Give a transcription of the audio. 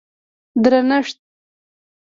درنښت